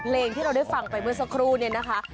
เพลงที่เราได้ฟังไปเมื่อสักครู่เนี่ยนะคะ